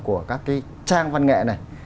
của các cái trang văn nghệ này